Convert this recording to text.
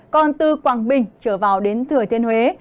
còn từ quảng bình trở vào đến thừa thiên huế